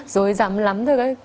dối giắm lắm thôi